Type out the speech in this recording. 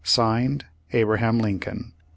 "(Signed) Abraham Lincoln."